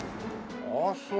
あっそう。